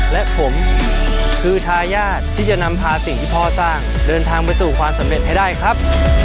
และผมคือทายาทที่จะนำพาสิ่งที่พ่อสร้างเดินทางไปสู่ความสำเร็จให้ได้ครับ